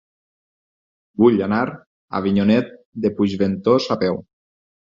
Vull anar a Avinyonet de Puigventós a peu.